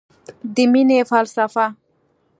د مینې فلسفه